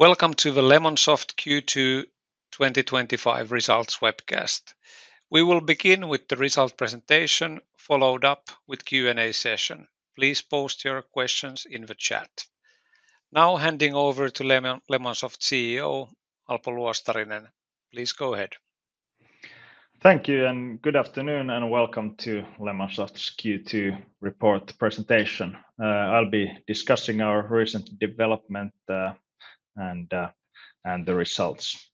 Welcome to the Lemonsoft Q2 2025 results webcast. We will begin with the result presentation, followed up with a Q&A session. Please post your questions in the chat. Now, handing over to Lemonsoft CEO, Alpo Luostarinen. Please go ahead. Thank you, and good afternoon, and welcome to Lemonsoft's Q2 report presentation. I'll be discussing our recent development and the results.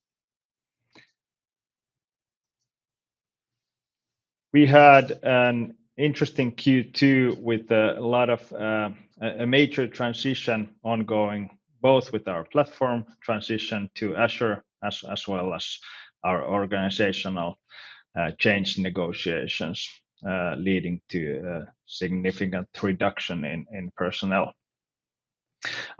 We had an interesting Q2 with a lot of major transitions ongoing, both with our platform transition to Azure, as well as our organizational change negotiations, leading to a significant reduction in personnel.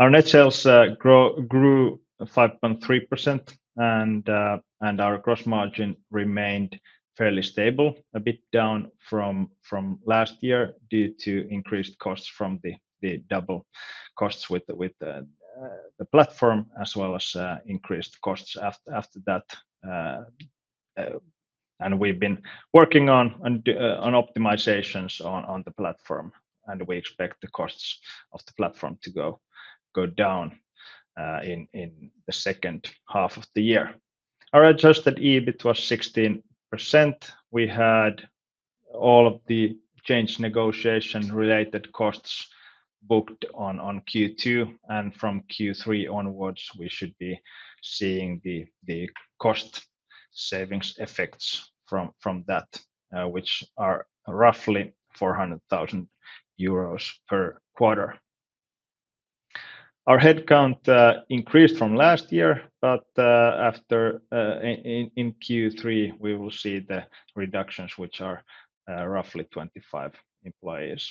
Our net sales grew 5.3%, and our gross margin remained fairly stable, a bit down from last year due to increased costs from the double costs with the platform, as well as increased costs after that. We've been working on optimizations on the platform, and we expect the costs of the platform to go down in the second half of the year. Our adjusted EBITDA was 16%. We had all of the change negotiation-related costs booked on Q2, and from Q3 onwards, we should be seeing the cost savings effects from that, which are roughly €400,000 per quarter. Our headcount increased from last year, but in Q3, we will see the reductions, which are roughly 25 employees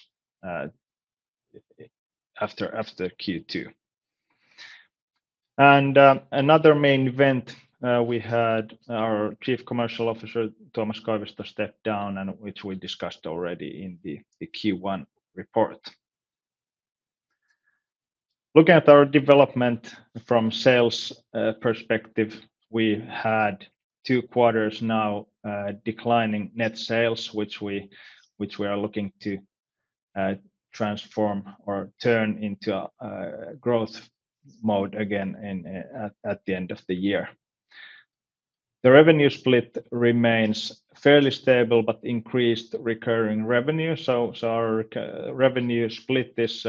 after Q2. Another main event we had, our Chief Commercial Officer, Tuomas Koivisto, stepped down, which we discussed already in the Q1 report. Looking at our development from a sales perspective, we had two quarters now declining net sales, which we are looking to transform or turn into a growth mode again at the end of the year. The revenue split remains fairly stable, but increased recurring revenue. Our revenue split is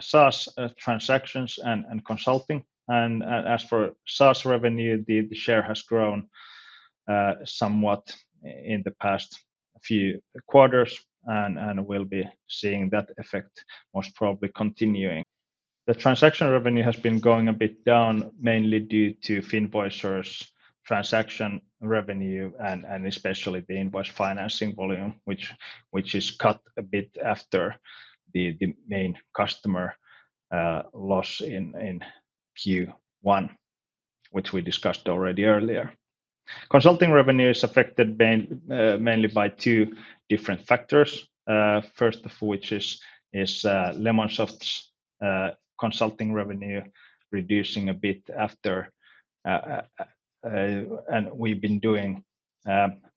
SaaS transactions and consulting. As for SaaS revenue, the share has grown somewhat in the past few quarters, and we'll be seeing that effect most probably continuing. The transaction revenue has been going a bit down, mainly due to Finvoicer's transaction revenue and especially the invoice financing volume, which is cut a bit after the main customer loss in Q1, which we discussed already earlier. Consulting revenue is affected mainly by two different factors. First of which is Lemonsoft's consulting revenue reducing a bit after, and we've been doing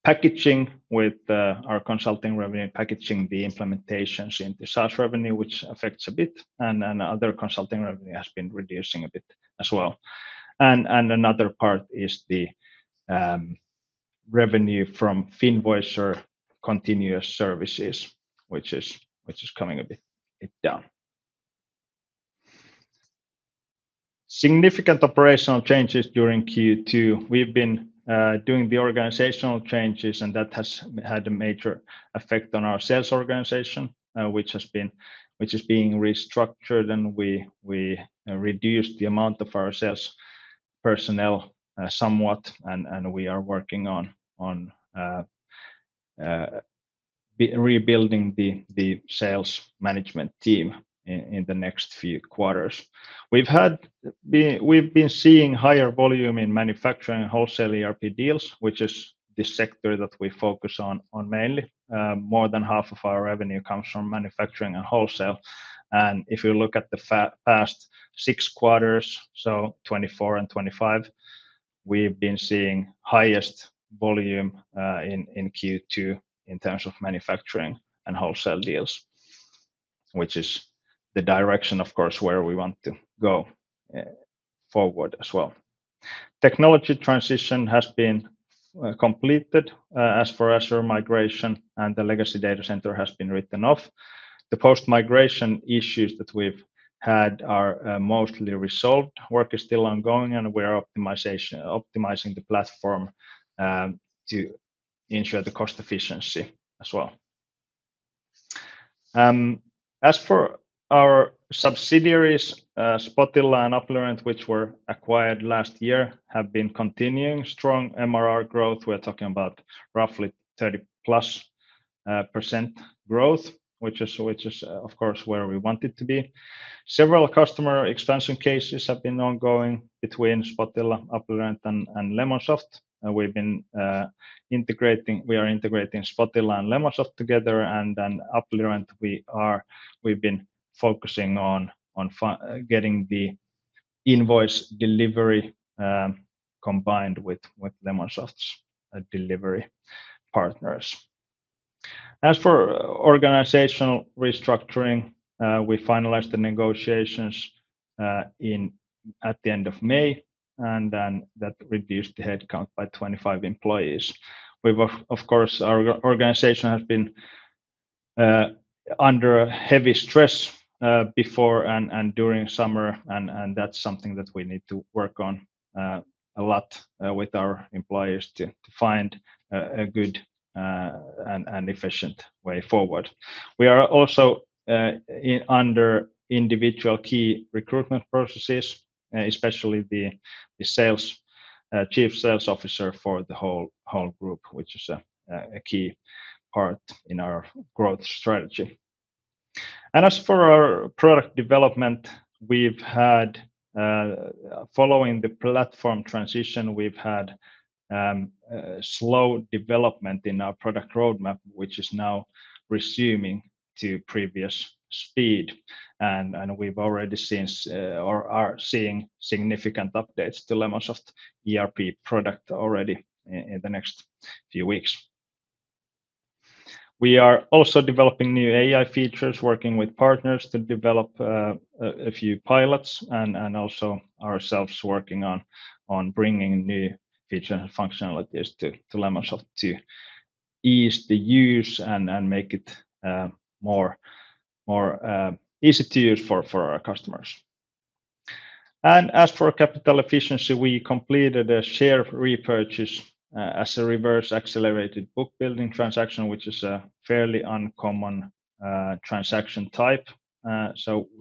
packaging with our consulting revenue, packaging the implementations into SaaS revenue, which affects a bit, and other consulting revenue has been reducing a bit as well. Another part is the revenue from Finvoicer Continuous Services, which is coming a bit down. Significant operational changes during Q2. We've been doing the organizational changes, and that has had a major effect on our sales organization, which is being restructured, and we reduced the amount of our sales personnel somewhat. We are working on rebuilding the sales management team in the next few quarters. We've been seeing higher volume in manufacturing and wholesale ERP deals, which is the sector that we focus on mainly. More than half of our revenue comes from manufacturing and wholesale. If you look at the past six quarters, so 2024 and 2025, we've been seeing the highest volume in Q2 in terms of manufacturing and wholesale deals, which is the direction, of course, where we want to go forward as well. Technology transition has been completed as for Azure migration, and the legacy data center has been written off. The post-migration issues that we've had are mostly resolved. Work is still ongoing, and we're optimizing the platform to ensure the cost efficiency as well. As for our subsidiaries, Spotilla and Applirent, which were acquired last year, have been continuing strong MRR growth. We're talking about roughly 30+% growth, which is, of course, where we wanted to be. Several customer expansion cases have been ongoing between Spotilla, Applirent, and Lemonsoft. We are integrating Spotilla and Lemonsoft together, and then Applirent, we've been focusing on getting the invoice delivery combined with Lemonsoft's delivery partners. As for organizational restructuring, we finalized the negotiations at the end of May, and that reduced the headcount by 25 employees. Of course, our organization has been under heavy stress before and during summer, and that's something that we need to work on a lot with our employees to find a good and efficient way forward. We are also under individual key recruitment processes, especially the Chief Sales Officer for the whole group, which is a key part in our growth strategy. As for our product development, following the platform transition, we've had slow development in our product roadmap, which is now resuming to previous speed. We've already seen or are seeing significant updates to Lemonsoft's ERP product already in the next few weeks. We are also developing new AI features, working with partners to develop a few pilots, and also ourselves working on bringing new features and functionalities to Lemonsoft to ease the use and make it more easy to use for our customers. As for capital efficiency, we completed a share repurchase as a reverse accelerated book building transaction, which is a fairly uncommon transaction type.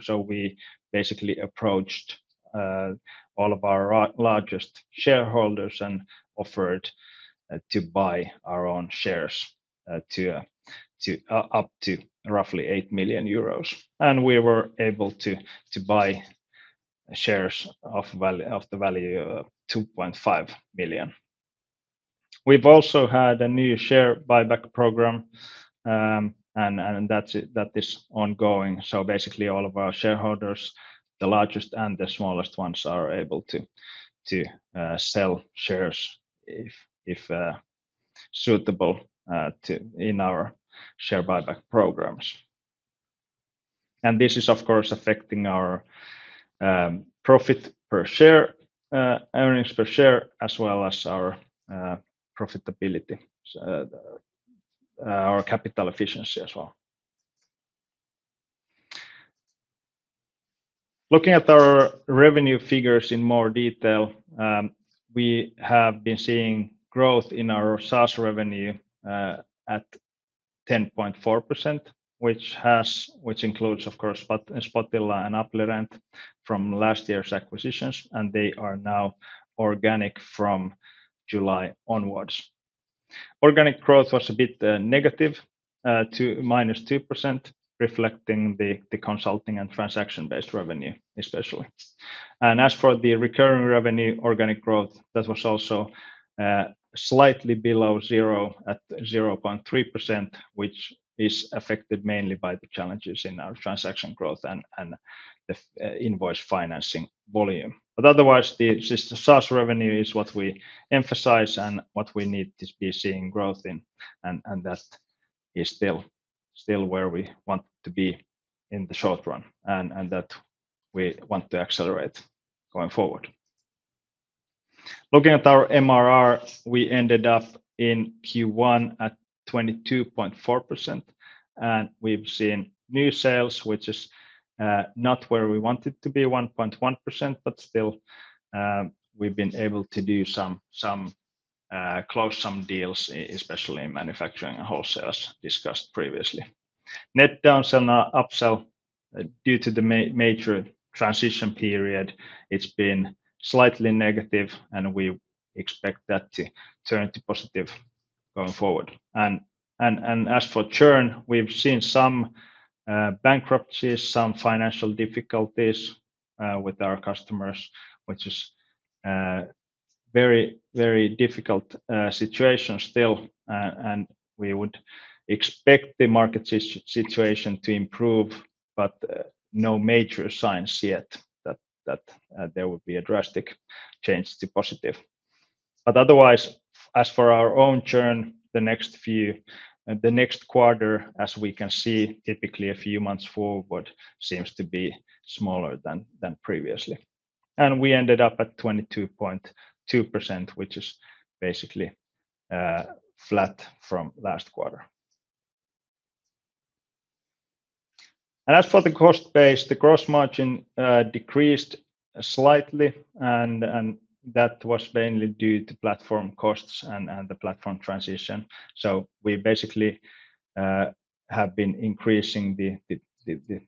We basically approached all of our largest shareholders and offered to buy our own shares up to roughly €8 million, and we were able to buy shares of the value of €2.5 million We've also had a new share buyback program, and that is ongoing. Basically, all of our shareholders, the largest and the smallest ones, are able to sell shares if suitable in our share buyback programs. This is, of course, affecting our profit per share, earnings per share, as well as our profitability, our capital efficiency as well. Looking at our revenue figures in more detail, we have been seeing growth in our SaaS revenue at 10.4%, which includes, of course, Spotilla and Applirent from last year's acquisitions, and they are now organic from July onwards. Organic growth was a bit negative, to -2%, reflecting the consulting and transaction-based revenue especially. As for the recurring revenue, organic growth was also slightly below zero at -0.3%, which is affected mainly by the challenges in our transaction growth and the invoice financing volume. Otherwise, the SaaS revenue is what we emphasize and what we need to be seeing growth in, and that is still where we want to be in the short run and that we want to accelerate going forward. Looking at our MRR, we ended up in Q1 at 22.4%, and we've seen new sales, which is not where we wanted to be, 1.1%, but still we've been able to close some deals, especially in manufacturing and wholesales discussed previously. Net downsell and upsell, due to the major transition period, has been slightly negative, and we expect that to turn to positive going forward. As for churn, we've seen some bankruptcies, some financial difficulties with our customers, which is a very, very difficult situation still, and we would expect the market situation to improve, but no major signs yet that there would be a drastic change to positive. Otherwise, as for our own churn, the next quarter, as we can see, typically a few months forward, seems to be smaller than previously. We ended up at 22.2%, which is basically flat from last quarter. As for the cost base, the gross margin decreased slightly, and that was mainly due to platform costs and the platform transition. We basically have been increasing the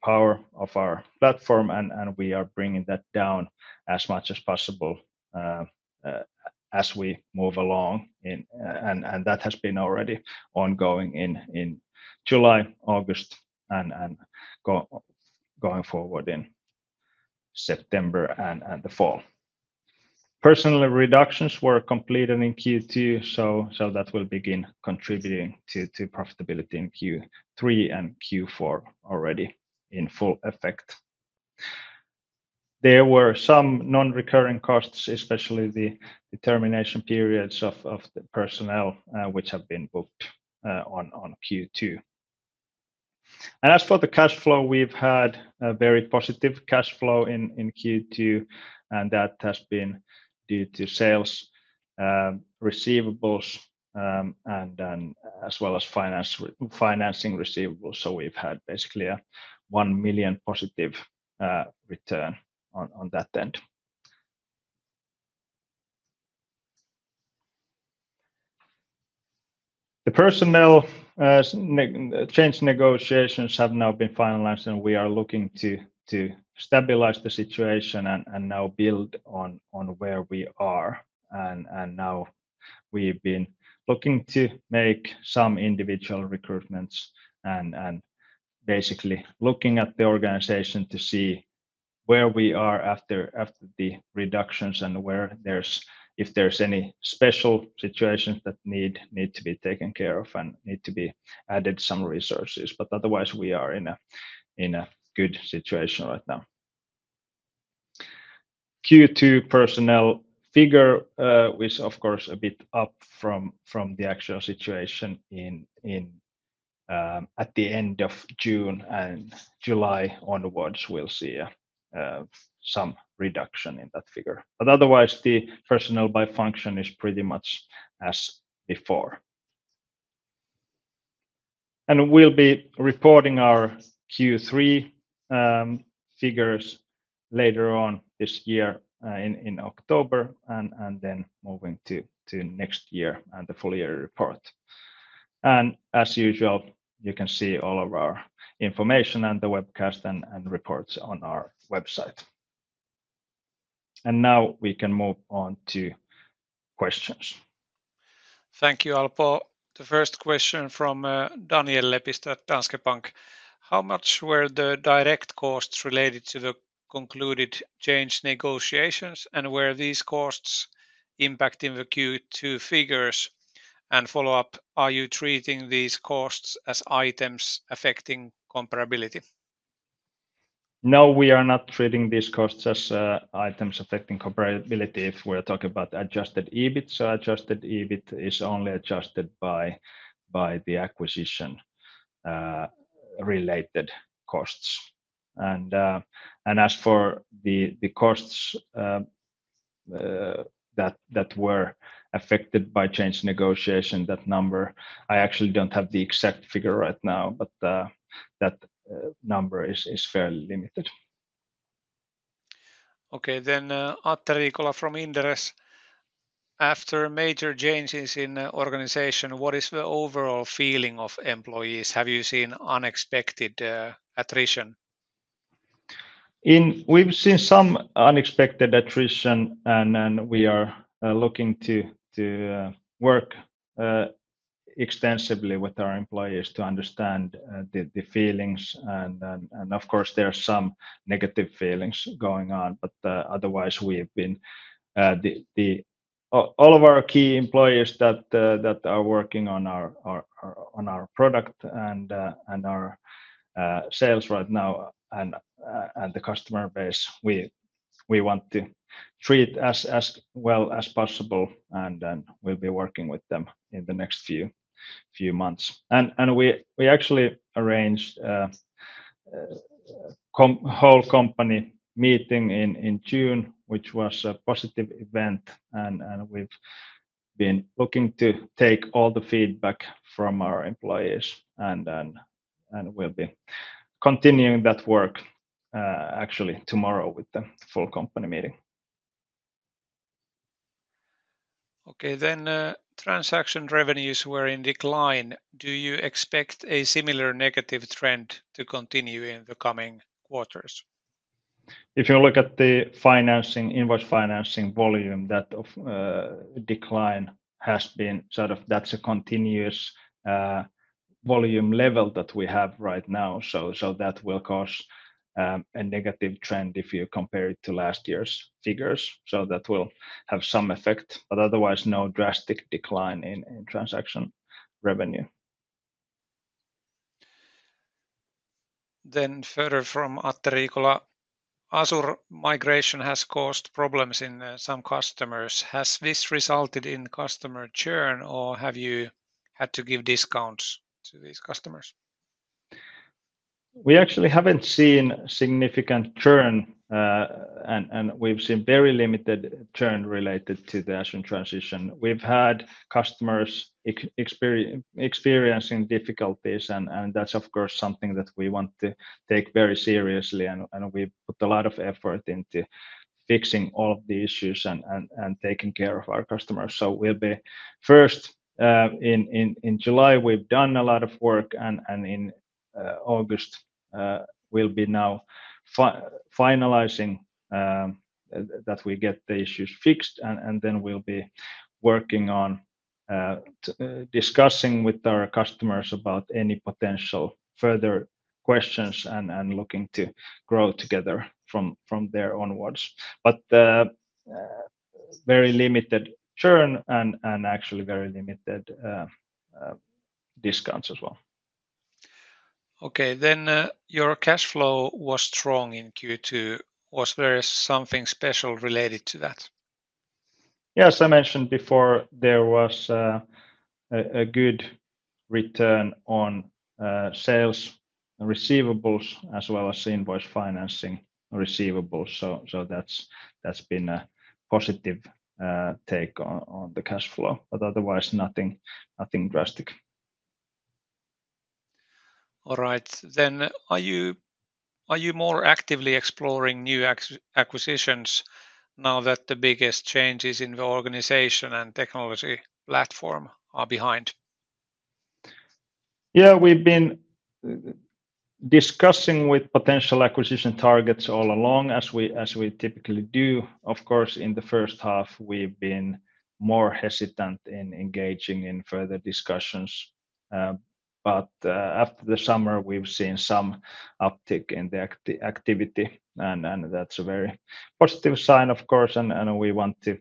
power of our platform, and we are bringing that down as much as possible as we move along. That has been already ongoing in July, August, and going forward in September and the fall. Personnel reductions were completed in Q2, so that will begin contributing to profitability in Q3 and Q4 already in full effect. There were some non-recurring costs, especially the termination periods of the personnel, which have been booked on Q2. As for the cash flow, we've had a very positive cash flow in Q2, and that has been due to sales, receivables, as well as financing receivables. We've had basically a €1 million positive return on that end. The personnel change negotiations have now been finalized, and we are looking to stabilize the situation and now build on where we are. We've been looking to make some individual recruitments and basically looking at the organization to see where we are after the reductions and if there's any special situations that need to be taken care of and need to be added some resources. Otherwise, we are in a good situation right now. Q2 personnel figure is, of course, a bit up from the actual situation at the end of June, and July onwards, we'll see some reduction in that figure. Otherwise, the personnel by function is pretty much as before. We'll be reporting our Q3 figures later on this year in October and then moving to next year and the full year report. As usual, you can see all of our information and the webcast and the reports on our website. Now we can move on to questions. Thank you, Alpo. The first question from Daniel Lepistö at Danske Bank. How much were the direct costs related to the concluded change negotiations, and were these costs impacting the Q2 figures? Follow-up, are you treating these costs as items affecting comparability? No, we are not treating these costs as items affecting comparability if we're talking about adjusted EBITDA. Adjusted EBITDA is only adjusted by the acquisition-related costs. As for the costs that were affected by change negotiation, that number, I actually don't have the exact figure right now, but that number is fairly limited. Okay, then Atte Riikola from Inderes. After major changes in the organization, what is the overall feeling of employees? Have you seen unexpected attrition? We've seen some unexpected attrition, and we are looking to work extensively with our employees to understand the feelings. Of course, there are some negative feelings going on. Otherwise, we've been all of our key employees that are working on our product and our sales right now, and the customer base, we want to treat as well as possible, and we'll be working with them in the next few months. We actually arranged a whole company meeting in June, which was a positive event, and we've been looking to take all the feedback from our employees. We'll be continuing that work actually tomorrow with the full company meeting. Okay, transaction revenues were in decline. Do you expect a similar negative trend to continue in the coming quarters? If you look at the invoice financing volume, that decline has been sort of a continuous volume level that we have right now. That will cause a negative trend if you compare it to last year's figures. That will have some effect, but otherwise, no drastic decline in transaction revenue. Further from Atte Riikola: Azure migration has caused problems in some customers. Has this resulted in customer churn, or have you had to give discounts to these customers? We actually haven't seen significant churn, and we've seen very limited churn related to the Azure transition. We've had customers experiencing difficulties, and that's, of course, something that we want to take very seriously. We put a lot of effort into fixing all of the issues and taking care of our customers. In July, we've done a lot of work, and in August, we'll be finalizing that we get the issues fixed. We'll be working on discussing with our customers about any potential further questions and looking to grow together from there onwards. Very limited churn and actually very limited discounts as well. Okay, your cash flow was strong in Q2. Was there something special related to that? Yes, I mentioned before there was a good return on sales and receivables, as well as invoice financing receivables. That's been a positive take on the cash flow, otherwise, nothing drastic. All right, then are you more actively exploring new acquisitions now that the biggest changes in the organization and technology platform are behind? We've been discussing with potential acquisition targets all along, as we typically do. Of course, in the first half, we've been more hesitant in engaging in further discussions. After the summer, we've seen some uptick in the activity, and that's a very positive sign, of course. We want to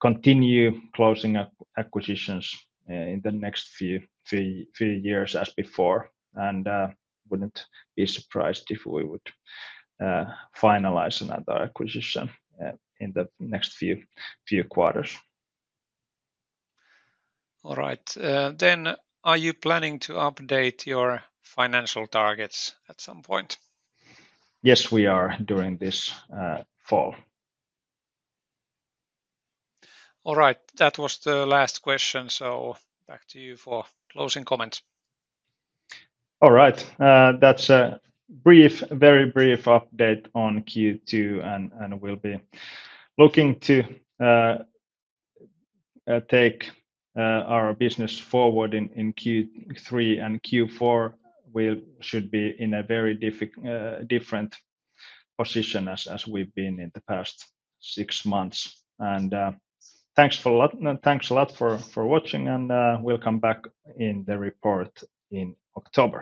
continue closing acquisitions in the next few years as before, and I wouldn't be surprised if we would finalize another acquisition in the next few quarters. All right, are you planning to update your financial targets at some point? Yes, we are during this fall. All right, that was the last question, so back to you for closing comments. All right, that's a brief, very brief update on Q2, and we'll be looking to take our business forward in Q3 and Q4. We should be in a very different position as we've been in the past six months. Thanks a lot for watching, and we'll come back in the report in October.